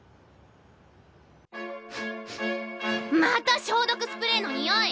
また消毒スプレーのにおい！